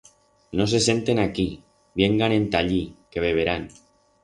No se senten aquí, viengan enta allí, que beberán.